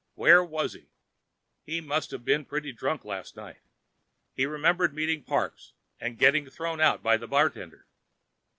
Where was he? He must have been pretty drunk last night. He remembered meeting Parks. And getting thrown out by the bartender.